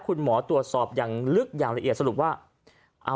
คุณหมอตรวจสอบอย่างลึกอย่างละเอียดสรุปว่า